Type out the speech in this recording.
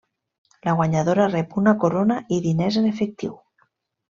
La guanyadora rep una corona i diners en efectiu.